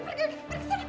pergi sana pergi sana